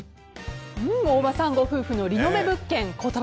大場さんご夫婦のリノベ物件